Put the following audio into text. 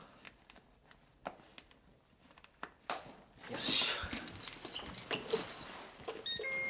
よし。